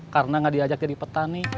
karena gak diajak jadi petani